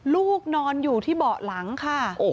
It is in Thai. ลูกนอนอยู่ที่เบาะหลังค่ะ